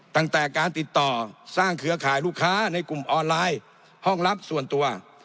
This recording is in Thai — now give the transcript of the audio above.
ตั้งแต่การติดต่อสร้างเครือข่ายลูกค้าในกลุ่มออนไลน์ห้องรับส่วนตัว